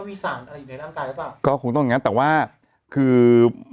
มีสารอะไรอยู่ในร่างกายหรือเปล่าก็คงต้องอย่างงั้นแต่ว่าคือ